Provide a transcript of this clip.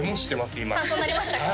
今参考になりましたか？